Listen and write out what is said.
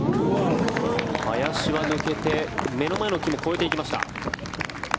林は抜けて目の前の木も越えていきました。